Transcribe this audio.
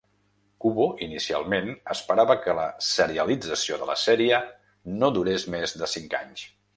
Kubo inicialment esperava que la serialització de la sèrie no durés més de cinc anys.